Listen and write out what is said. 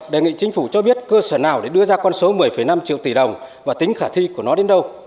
đề nghị chính phủ cho biết cơ sở nào để đưa ra con số một mươi năm triệu tỷ đồng và tính khả thi của nó đến đâu